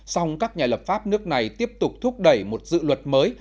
sau đó các nhà lập pháp nước này tiếp tục thúc đẩy một dự luật mới